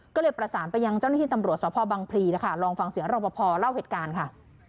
ก็เลยประสานไปยังเจ้าหน้าที่ตำรวจสพบังพลีนะคะลองฟังเสียงรอบพอเล่าเหตุการณ์ค่ะ